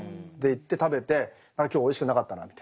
行って食べて今日おいしくなかったなみたいな。